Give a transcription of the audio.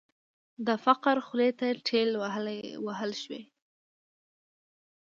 د فقر خولې ته ټېل وهل شوې.